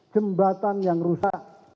jembatan yang rusak